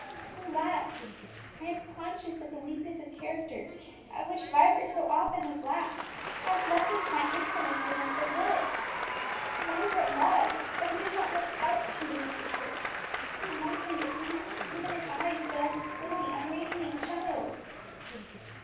And, alas! I am conscious that the weakness of character at which Vibert so often has laughed, has lessened my influence with him for good. Vibert loves but he does not look up to his sister; on one point, at least, I am in his eyes but as a silly, unreasoning child!"